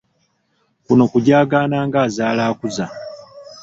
Kuno kujaagaana ng'azaala akuza!